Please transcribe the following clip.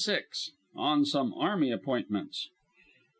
ON SOME ARMY APPOINTMENTS.